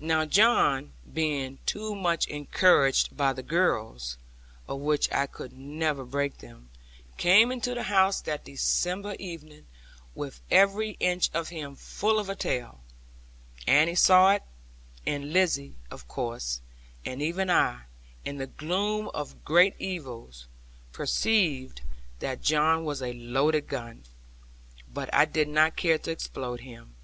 Now John, being too much encouraged by the girls (of which I could never break them), came into the house that December evening, with every inch of him full of a tale. Annie saw it, and Lizzie, of course; and even I, in the gloom of great evils, perceived that John was a loaded gun; but I did not care to explode him.